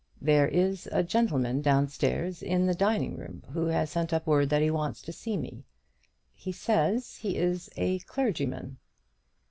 There is a gentleman downstairs in the dining room who has sent up word that he wants to see me. He says he is a clergyman."